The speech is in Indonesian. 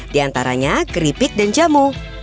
diantaranya keripik dan jamu